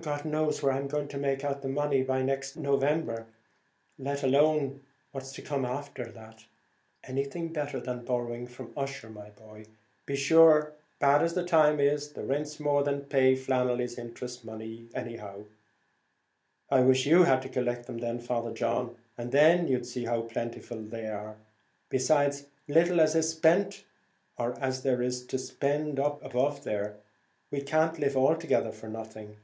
God knows where I'm to make out the money by next November, even let alone what's to come after." "Anything better than borrowing from Ussher, my boy; but sure, bad as the time is, the rints more than pay Flannelly's interest money, any how." "I wish you had to collect them then, Father John, and then you'd see how plentiful they are; besides, little as is spent, or as there is to spend up above there, we can't live altogether for nothing."